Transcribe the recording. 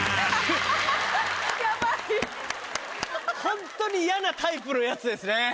ホントに嫌なタイプのやつですね。